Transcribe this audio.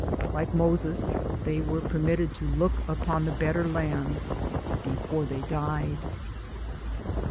Like Moses, they were permitted to look upon the better land before they died.